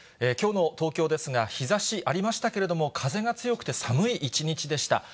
きょうの東京ですが、日ざしありましたけれども、風が強くて、寒い一日でした。